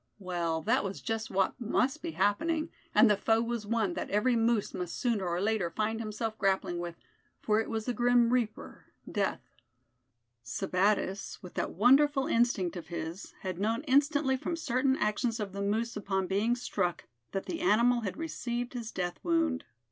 Well, that was just what must be happening; and the foe was one that every moose must sooner or later find himself grappling with; for it was the grim reaper, death. Sebattis, with that wonderful instinct of his, had known instantly from certain actions of the moose upon being struck, that the animal had received his death wound.